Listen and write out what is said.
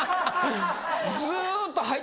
ずーっと。